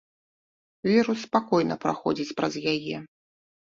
Вірус спакойна праходзіць праз яе.